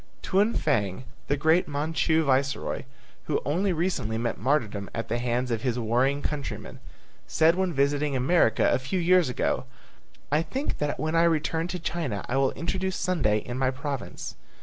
Tuan Fang, the great Manchu viceroy who only recently met martyrdom at the hands of his warring countrymen, said when visiting America a few years ago, "I think that when I return to China I will introduce Sunday in my province."